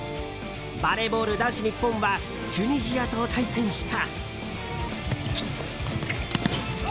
バレーボール男子日本はチュニジアと対戦した。